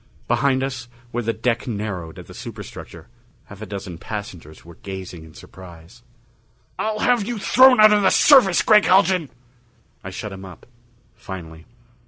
Behind us, where the deck narrowed at the superstructure, half a dozen passengers were gazing in surprise. "I'll have you thrown out of the service, Gregg Haljan!" I shut him up finally.